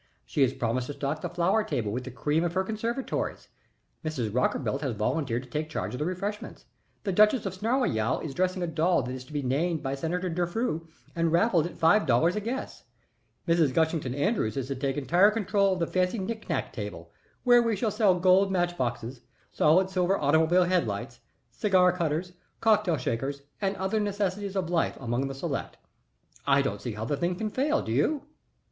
She has promised to stock the flower table with the cream of her conservatories. Mrs. Rockerbilt has volunteered to take charge of the refreshments. The duchess of Snarleyow is dressing a doll that is to be named by Senator Defew and raffled at five dollars a guess. Mrs. Gushington Andrews is to take entire control of the fancy knick knack table, where we shall sell gold match boxes, solid silver automobile head lights, cigar cutters, cocktail shakers, and other necessities of life among the select. I don't see how the thing can fail, do you?"